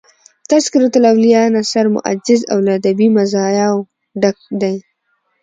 "تذکرةالاولیاء" نثر موجز او له ادبي مزایاو ډک دﺉ.